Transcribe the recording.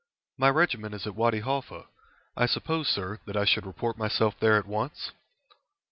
"My regiment is at Wady Halfa. I suppose, sir, that I should report myself there at once?"